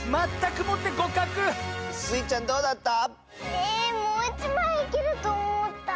えもういちまいいけるとおもった。